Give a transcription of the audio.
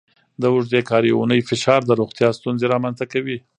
د اوږدې کاري اونۍ فشار د روغتیا ستونزې رامنځته کوي.